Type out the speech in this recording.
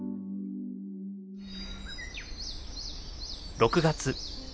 ６月。